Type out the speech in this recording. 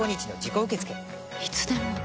いつでも？